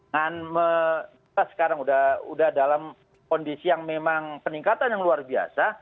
dan kita sekarang sudah dalam kondisi yang memang peningkatan yang luar biasa